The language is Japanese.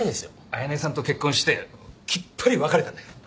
綾音さんと結婚してきっぱり別れたんだから。